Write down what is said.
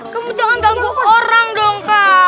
kamu jangan ganggu orang dong pak